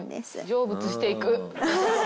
成仏していく。